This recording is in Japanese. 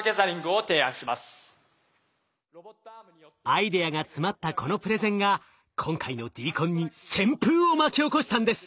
アイデアが詰まったこのプレゼンが今回のＤＣＯＮに旋風を巻き起こしたんです。